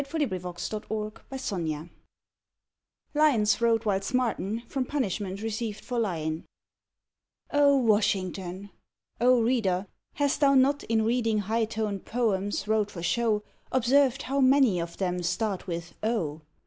20 SONNETS OF A BUDDING BARD LINES WROTE WHILST SMART1N* FROM PUN ISHMENT RECEIVED FOR LYIN* O WASHINGTON! (O Reader, hast thou not In readin high toned poems wrote for show, Observed how many of them start with " O?